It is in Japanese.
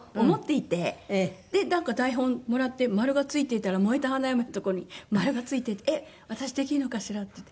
なんか台本もらって丸がついていたら燃えた花嫁のところに丸がついていて「えっ私できるのかしら？」って言って。